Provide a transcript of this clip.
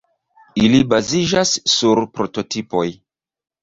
Ili baziĝas sur prototipoj.